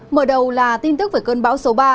mở đầu là tin tức về cơn bão số ba